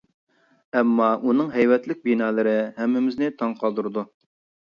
ئەمما ئۇنىڭ ھەيۋەتلىك بىنالىرى ھەممىمىزنى تاڭ قالدۇرىدۇ.